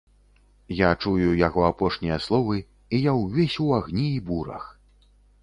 Я чую яго апошнія словы, і я ўвесь у агні і бурах.